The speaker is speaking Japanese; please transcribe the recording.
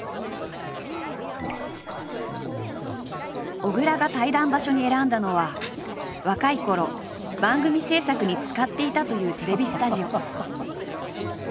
小倉が対談場所に選んだのは若いころ番組制作に使っていたというテレビスタジオ。